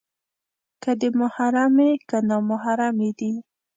که دې محرمې، که نامحرمې دي